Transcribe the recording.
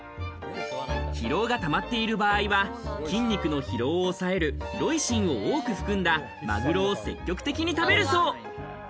疲労が溜まっている場合は、筋肉の疲労を抑えるロイシンを多く含んだマグロを積極的に食べるそう。